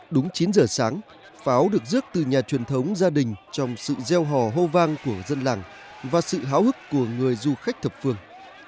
đúng chín giờ sáng pháo được rước từ nhà truyền thống gia đình trong sự gieo hò hô vang của dân làng và sự háo hức của người du khách thập phương